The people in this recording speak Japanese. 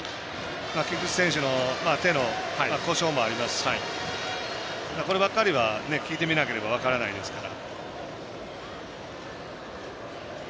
選手の手の故障もありますしこればっかりは聞いてみなければ分かりませんから。